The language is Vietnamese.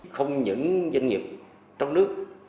không những doanh nghiệp trong nước